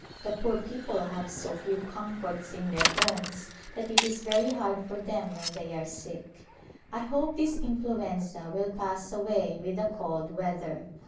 The poor people have so few comforts in their homes that it is very hard for them when they are sick. I hope this influ enza will pass away with the cold weather.